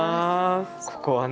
ここはね